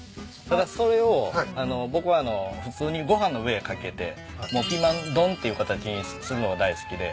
それを僕は普通にご飯の上へ掛けてもうピーマン丼っていう形にするのが大好きで。